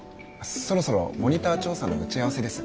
そろそろモニター調査の打ち合わせです